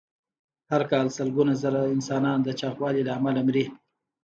هر کال سلګونه زره انسانان د چاغوالي له امله مري.